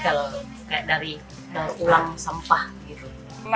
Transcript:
kalau kayak dari tulang sampah gitu